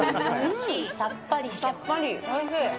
さっぱり、おいしい。